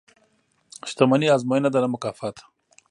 • شتمني ازموینه ده، نه مکافات.